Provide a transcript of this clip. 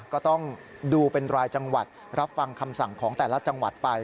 ก็ต้องดูเป็นรายจังหวัดรับฟังคำสั่งของแต่ละจังหวัดไป